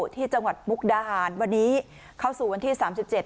ที่จังหวัดมุกดาหารวันนี้เข้าสู่วันที่สามสิบเจ็ด